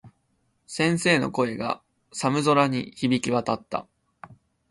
先生の声が、寒空に響き渡った。